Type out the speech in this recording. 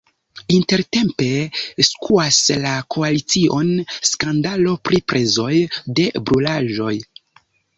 Intertempe skuas la koalicion skandalo pri prezoj de brulaĵo.